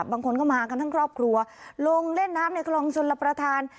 บางคนก็มากันทั้งครอบครัวลงเล่นน้ำในคลองชนรับประทาน